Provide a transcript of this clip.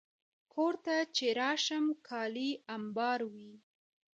کور ته چې راشم، کالي امبار وي.